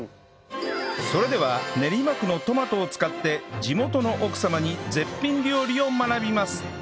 それでは練馬区のトマトを使って地元の奥様に絶品料理を学びます